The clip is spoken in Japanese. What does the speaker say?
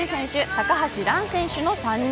高橋藍選手の３人。